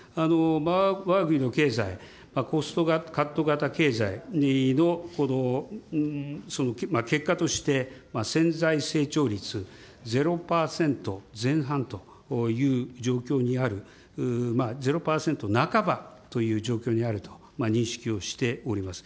わが国の経済、コストカット型経済の結果として、潜在成長率０％前半という状況にある、０％半ばという状況にあると認識をしております。